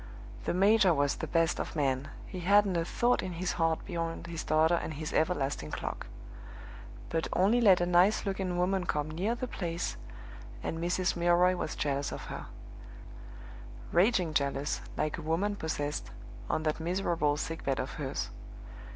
The major was the best of men; he hadn't a thought in his heart beyond his daughter and his everlasting clock. But only let a nice looking woman come near the place, and Mrs. Milroy was jealous of her raging jealous, like a woman possessed, on that miserable sick bed of hers.